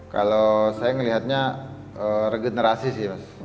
kalau saya melihatnya regenerasi sih mas